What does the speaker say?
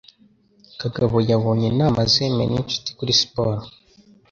Kagabo yabonye inama zemewe ninshuti kuri siporo